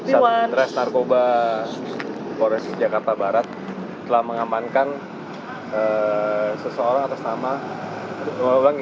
satu interes narkoba polres metro jakarta barat telah mengamankan